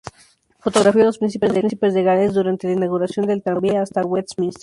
Fotografió a los Príncipes de Gales durante la inauguración del tranvía hasta Westminster.